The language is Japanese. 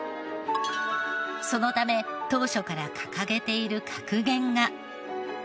そのため当初から掲げている格言が。